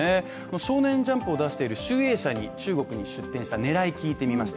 少年ジャンプを出している集英社に、中国に出店した狙いを聞いてみました。